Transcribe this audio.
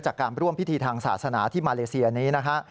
จากการร่วมพิธีทางศาสนาที่มาเลเซียนี้นะฮะ